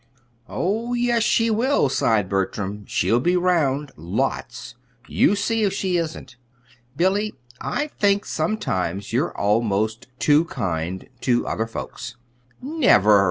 "Oh, yes, she will," sighed Bertram. "She'll be 'round lots; you see if she isn't. Billy, I think sometimes you're almost too kind to other folks." "Never!"